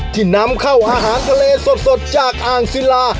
ที่นำเข้าอาหารทะเลสดจากอ่างศิลา